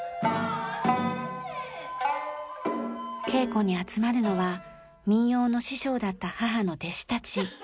稽古に集まるのは民謡の師匠だった母の弟子たち。